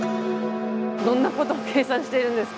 どんなことを計算しているんですか？